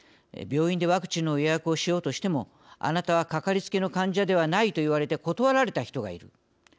「病院でワクチンの予約をしようとしてもあなたは、かかりつけの患者ではないと言われて断られた人がいる」